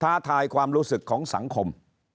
ท้าทายความรู้สึกของสังคม